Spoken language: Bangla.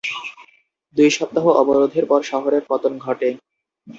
দুই সপ্তাহ অবরোধের পর শহরের পতন ঘটে।